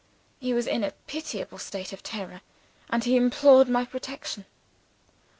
He was in a pitiable state of terror, and he implored my protection.